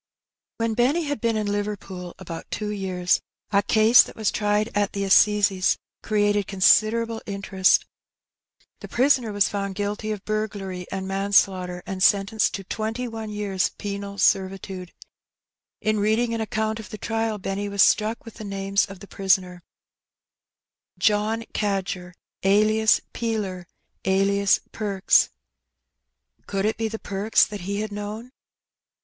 When Benny had been in Liverpool about two years, a case that was tried at the assizes created considerable interest. The prisoner was found guilty of burglary and manslaughter, and sentenced to twenty one years' penal servitude. In reading an account of the trial, Benny was struck with the names of the prisoner, John Cadger, alias Peeler, alias Perks. Could it be the Perks that he had known?